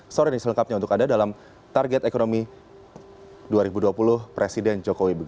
sore ini selengkapnya untuk anda dalam target ekonomi dua ribu dua puluh presiden jokowi